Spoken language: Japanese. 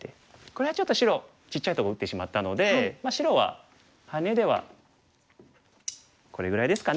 これはちょっと白ちっちゃいとこ打ってしまったので白はハネではこれぐらいですかね。